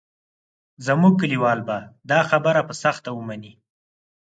زموږ کلیوال به دا خبره په سخته ومني.